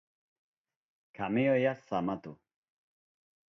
kamioia zamatu